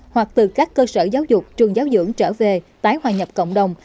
hoặc từ các cơ sở giáo dục trường giáo dưỡng trở về tái hòa nhập cộng đồng